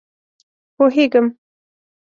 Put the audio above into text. _پوهېږم.